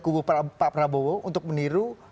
kubu pak prabowo untuk meniru